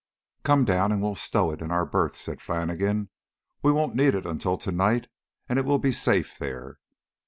"Come down, and we'll stow it in our berth," said Flannigan. "We won't need it until to night, and it will be safe there."